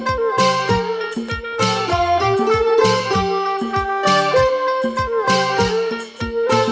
เธอไม่รู้ว่าเธอไม่รู้